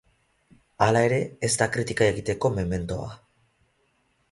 Hala ere, ez da kritika egiteko mementoa.